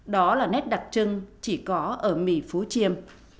đó là nét đặc trưng chỉ có ở mỹ phú chiêm